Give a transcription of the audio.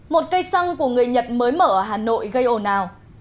một cây xăng của người nhật mới mở ở hà nội gây ồn ào